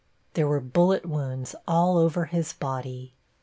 There were bullet wounds all over his body.